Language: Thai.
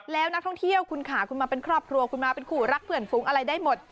แล้วนักท่องเที่ยวคุณค่ะคุณมาเป็นครอบครัวคุณมาเป็นคู่รักเพื่อนฟุ้งอะไรได้หมด